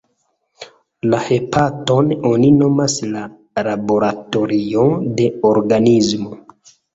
La hepaton oni nomas la laboratorio de organismo.